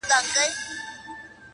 امجد شهزاد